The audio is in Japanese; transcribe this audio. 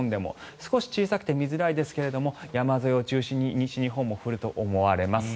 少し小さくて見づらいですけれども山沿いを中心に西日本も降ると思われます。